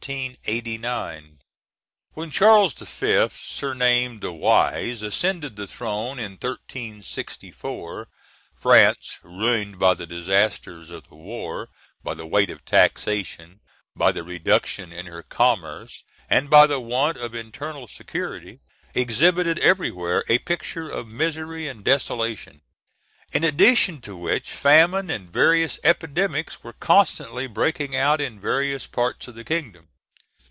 When Charles V. surnamed the Wise ascended the throne in 1364, France, ruined by the disasters of the war, by the weight of taxation, by the reduction in her commerce, and by the want of internal security, exhibited everywhere a picture of misery and desolation; in addition to which, famine and various epidemics were constantly breaking out in various parts of the kingdom.